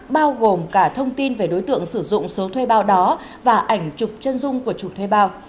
bao gồm cả thông tin về đối tượng sử dụng số thuê bao đó và ảnh chụp chân dung của chủ thuê bao